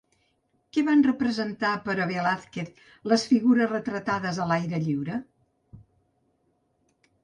Què van representar per a Velázquez les figures retratades a l'aire lliure?